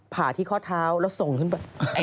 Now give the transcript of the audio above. ผ่าที่ข้อเท้าแล้วส่งขึ้นไป